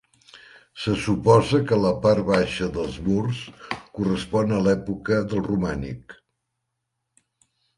Se suposa que la part baixa dels murs correspon a l'època del romànic.